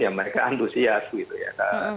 ya mereka antusias gitu ya